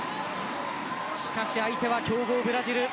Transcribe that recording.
しかし相手は強豪ブラジル。